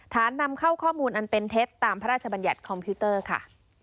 นำเข้าข้อมูลอันเป็นเท็จตามพระราชบัญญัติคอมพิวเตอร์ค่ะ